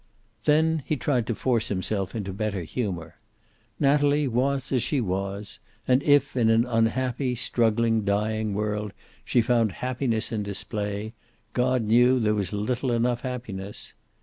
Then he tried to force himself into better humor. Natalie was as she was, and if, in an unhappy, struggling, dying world she found happiness in display, God knew there was little enough happiness.